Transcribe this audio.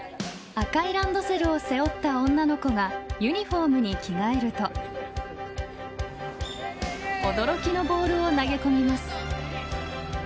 赤いランドセルを背負った女の子がユニホームに着替えると驚きのボールを投げ込みます。